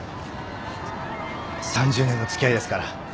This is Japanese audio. ３０年の付き合いですからそれはもう。